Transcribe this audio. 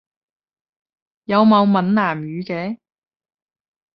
有冇閩南語嘅？